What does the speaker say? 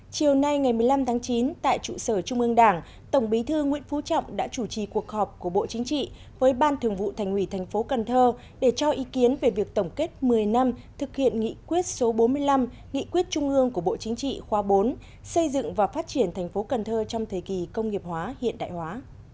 chiều nay ngày một mươi năm tháng chín tại trụ sở trung ương đảng tổng bí thư nguyễn phú trọng đã chủ trì cuộc họp của bộ chính trị với ban thường vụ thành ủy thành phố cần thơ để cho ý kiến về việc tổng kết một mươi năm thực hiện nghị quyết số bốn mươi năm nghị quyết trung ương của bộ chính trị khóa bốn xây dựng và phát triển thành phố cần thơ trong thời kỳ công nghiệp hóa hiện đại hóa